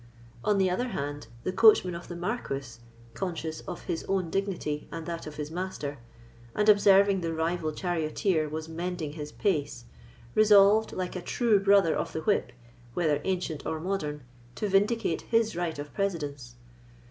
On the other hand, the coachman of the Marquis, conscious of his own dignity and that of his master, and observing the rival charioteer was mending his pace, resolved, like a true brother of the whip, whether ancient or modern, to vindicate his right of precedence.